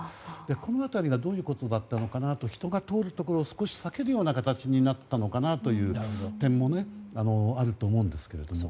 この辺りがどういうところだったのかなと人が通るところを少し避けるような形になったのかなという点もあると思うんですけども。